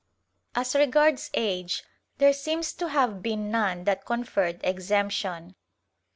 As regards age, there seems to have been none that conferred exemption.